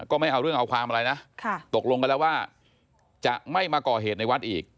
ไม่เอาเรื่องเอาความอะไรนะตกลงกันแล้วว่าจะไม่มาก่อเหตุในวัดอีก